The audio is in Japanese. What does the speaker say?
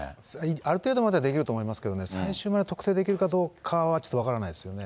ある程度まではできると思いますけどね、最終まで特定できるかどうかは、ちょっと分からないですよね。